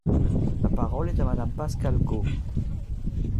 La parole est à Madame Pascale Got.